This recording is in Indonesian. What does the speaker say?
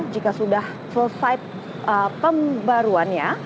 jika sudah selesai pembaruannya